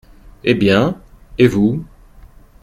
Eh bien… et vous…